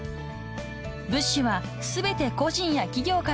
［物資は全て個人や企業からの寄付］